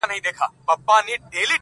مبارک دي سه فطرت د پسرلیو،